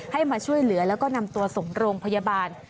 มาช่วยเหลือแล้วก็นำตัวส่งโรงพยาบาล